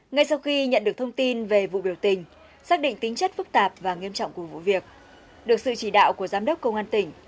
ngay sau khi nhận được thông tin về vụ biểu tình xác định tính chất phức tạp và nghiêm trọng của vụ việc được sự chỉ đạo của giám đốc công an tỉnh